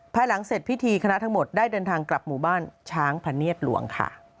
ภายหลังเสร็จพิธีคณะทั้งหมดได้เดินทางกลับหมู่บ้านช้างพะเนียดหลวงค่ะ